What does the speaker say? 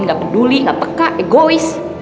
nggak peduli nggak peka egois